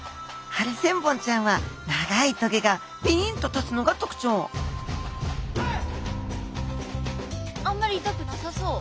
ハリセンボンちゃんは長い棘がピンと立つのが特徴あんまり痛くなさそう。